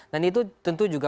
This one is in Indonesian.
dan itu tentu juga